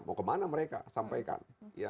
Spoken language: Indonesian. mau kemana mereka sampaikan